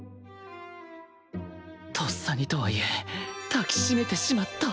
とっさにとはいえ抱き締めてしまった。